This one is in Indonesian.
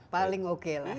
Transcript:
paling oke lah